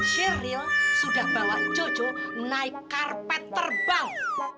sheryl sudah bawa jojo naik karpet terbang